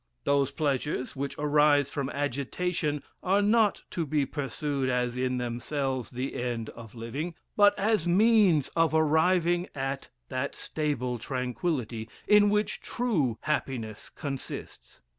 Those pleasures, which arise from agitation, are not to be pursued as in themselves the end of living, but as means of arriving at that stable tranquillity, in which true happiness consists.